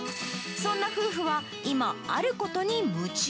そんな夫婦は今、あることに夢中。